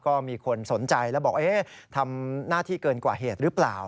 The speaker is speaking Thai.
ก็มีคนสนใจแล้วบอกทำหน้าที่เกินกว่าเหตุหรือเปล่า